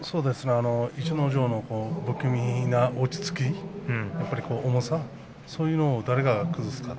逸ノ城の不気味な落ち着き、重さそういうのを誰が崩すのか。